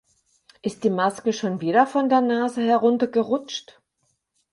Ist die Maske schon wieder von der Nase heruntergerutscht?